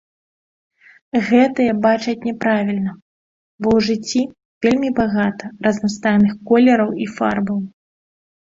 Гэтыя бачаць няправільна, бо ў жыцці вельмі багата разнастайных колераў і фарбаў.